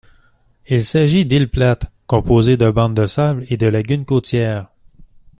Il s'agit d'îles plates composées de bandes de sable et de lagunes côtières.